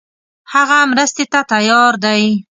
هغه مرستې ته تیار دی.